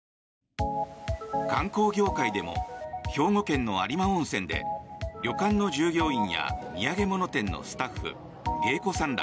観光業界でも兵庫県の有馬温泉で旅館の従業員や土産物店のスタッフ、芸妓さんら